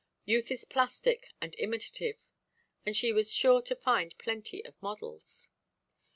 Youth is plastic and imitative; and she was sure to find plenty of models.